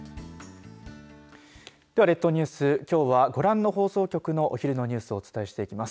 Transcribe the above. では、列島ニュースきょうはご覧の放送局のお昼のニュースをお伝えします。